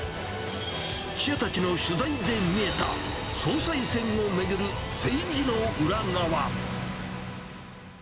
記者たちの取材で見えた総裁選を巡る政治の裏側。